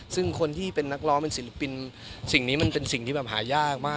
ซึ่งคนที่เป็นนักร้องเป็นศิลปินสิ่งนี้มันเป็นสิ่งที่แบบหายากมาก